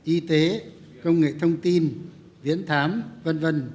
y tế công nghệ thông tin viễn thám v v